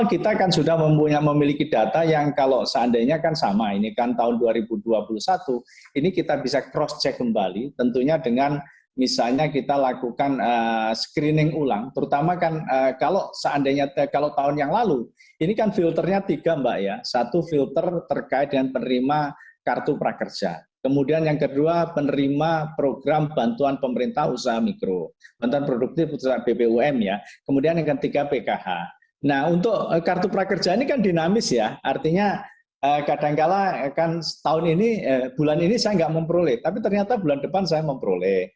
kementerian tenaga kerja tengah mengejar terselesaikannya regulasi dalam bentuk peraturan menteri tenaga kerja permenaker